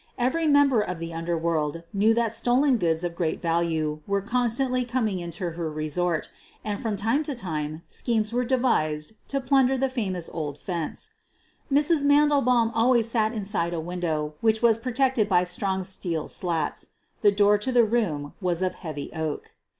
Every member of the underworld knew that stolen goods of great value were constantly coming QUEEN OF THE BURGLARS 197 into her resort and from time to time schemes were devised to plunder the famous old "fence." Mrs. Mandelbaum always sat inside of a window which was protected by strong steel slats. The door to the room was of heavy oak.